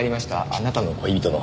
あなたの恋人の。